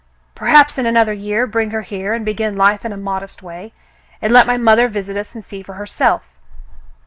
Perhaps in another year bring her here and begin life in a modest way, and let my mother visit us and see for herself.